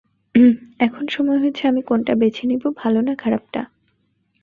এখন সময় হয়েছে আমি কোনটা বেছে নিব, ভালো না খারাপটা।